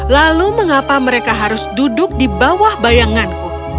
lalu mengapa mereka harus duduk di bawah bayanganku